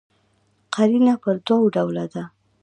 قرینه پر دوه ډوله ده.